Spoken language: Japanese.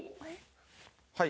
はい。